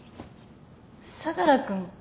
相良君。